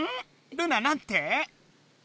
ルナなんて？